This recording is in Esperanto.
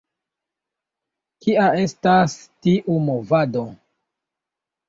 Kia estas tiu movado?